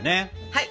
はい！